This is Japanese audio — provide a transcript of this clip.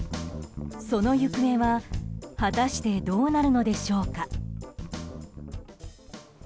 その行方は果たしてどうなるのでしょうか。